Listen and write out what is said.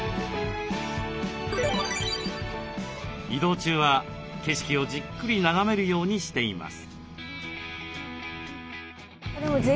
移動中は景色をじっくり眺めるようにしています。